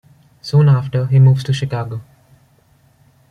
Soon after, he moves to Chicago.